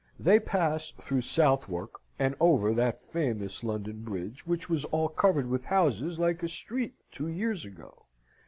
They pass through Southwark and over that famous London Bridge, which was all covered with houses like a street two years ago.